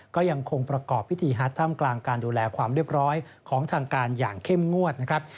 ก็ยังคงประกอบพิธีฮาร์ท่ามกลางการดูแลความเรียบร้อยของทางการอย่างเข้มงวดนะครับ